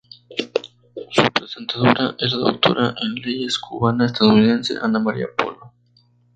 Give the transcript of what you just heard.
Su presentadora es la doctora en leyes cubana-estadounidense Ana María Polo.